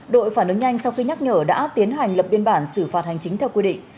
đội phản ứng nhanh sau khi nhắc nhở đã tiến hành lập biên bản xử phạt hành chính theo quy định